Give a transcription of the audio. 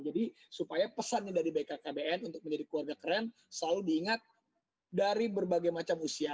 jadi supaya pesannya dari bkkbn untuk menjadi keluarga keren selalu diingat dari berbagai macam usia